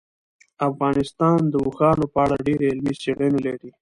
افغانستان د اوښانو په اړه ډېرې علمي څېړنې لري.